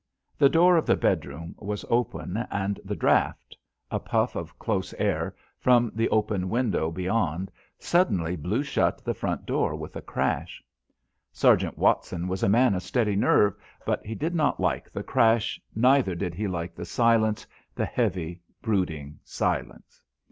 The door of the bedroom was open, and the draught—a puff of close air—from the open window beyond suddenly blew shut the front door with a crash. Sergeant Watson was a man of steady nerve, but he did not like the crash, neither did he like the silence, the heavy, brooding silence.